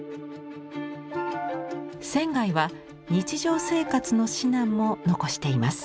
仙は日常生活の指南も残しています。